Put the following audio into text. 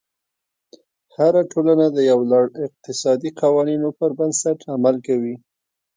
هره ټولنه د یو لړ اقتصادي قوانینو پر بنسټ عمل کوي.